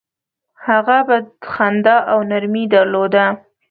هغه به خندا او نرمي درلوده.